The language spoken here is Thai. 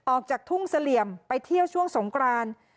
ออกจากทุ่งเสลี่ยมไปเที่ยวช่วงสงกราน